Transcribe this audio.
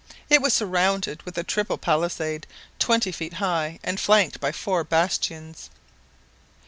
It was surrounded with a triple palisade twenty feet high and flanked by four bastions.